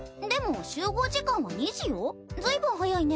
でも集合時間は２時よ。